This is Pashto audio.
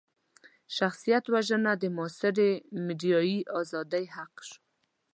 شخصيت وژنه د معاصرې ميډيايي ازادۍ حق شو.